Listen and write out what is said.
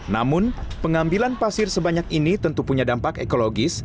namun pengambilan pasir sebanyak ini tentu punya dampak ekologis